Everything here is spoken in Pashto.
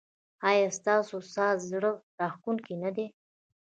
ایا ستاسو ساز زړه راښکونکی نه دی؟